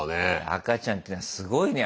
赤ちゃんってのはすごいね。